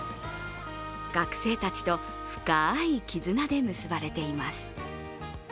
学生たちと深い絆で結ばれています。